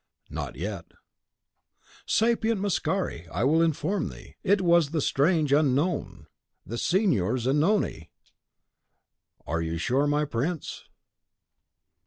"Not yet." "Sapient Mascari! I will inform thee. It was the strange Unknown." "The Signor Zanoni! Are you sure, my prince?"